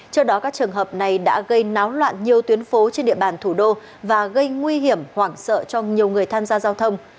trước đó các trường hợp này đã gây náo loạn nhiều tuyến phố trên địa bàn thủ đô và gây nguy hiểm hoảng sợ cho nhiều người tham gia giao thông